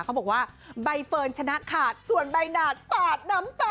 เขาบอกว่าใบเฟิร์นชนะขาดส่วนใบหนาดปาดน้ำตา